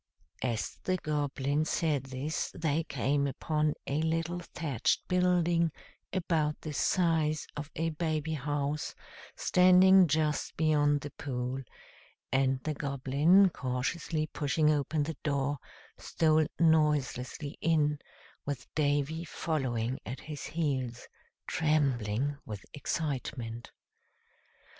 As the Goblin said this they came upon a little thatched building, about the size of a baby house, standing just beyond the pool; and the Goblin, cautiously pushing open the door, stole noiselessly in, with Davy following at his heels, trembling with excitement.